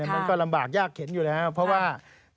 มันก็ลำบากยากเข็นอยู่แล้วเพราะว่า